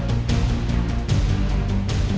ฝ่ายไม่ใช่แหละ